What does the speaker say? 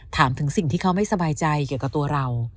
ถามถึงสิ่งที่เขาไม่สบายใจเกี่ยวกับตัวเรา